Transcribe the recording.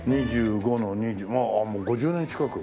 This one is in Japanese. ２５のああもう５０年近く。